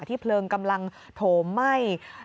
เพลิงกำลังโถมไหม้